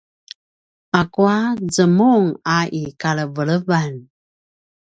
akua zemung a i kalevelevan?